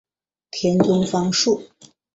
田中芳树。